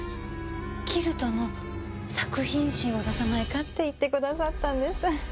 キルトの作品集を出さないかって言ってくださったんです。